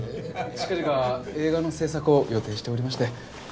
近々映画の製作を予定しておりまして。